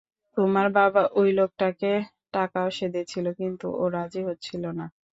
তোমার বাবা ঐ লোককে টাকাও সেধেছিল, কিন্তু ও রাজি হচ্ছিল না।